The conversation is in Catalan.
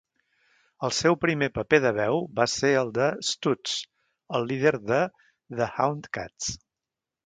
El seu primer paper de veu va ser el de Stutz, el líder de "The Houndcats".